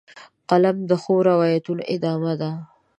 قلم د ښو روایتونو ادامه ده